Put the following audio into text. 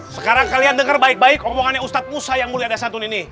sekarang kalian dengar baik baik omongannya ustadz musa yang mulia dan santun ini